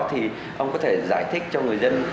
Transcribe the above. thì ông có thể giải thích cho người dân